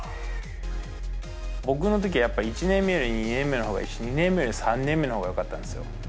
僕のときはやっぱり１年目より２年目のほうがいいし、２年目より３年目のほうがよかったんですよ。